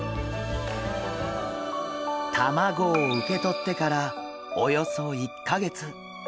卵を受け取ってからおよそ１か月。